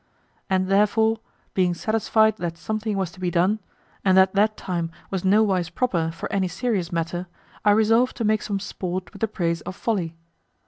And therefore, being satisfied that something was to be done, and that that time was no wise proper for any serious matter, I resolved to make some sport with the praise of folly.